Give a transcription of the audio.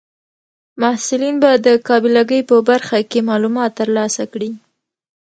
محصلین به د قابله ګۍ په برخه کې معلومات ترلاسه کړي.